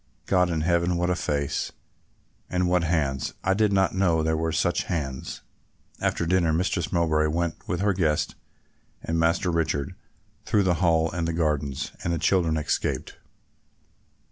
God in heaven, what a face, and what hands! I did not know there were such hands." After dinner Mistress Mowbray went with her guest and Master Richard through the Hall and the gardens, and the children escaped.